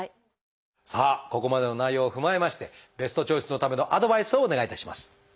さあここまでの内容を踏まえましてベストチョイスのためのアドバイスをお願いいたします。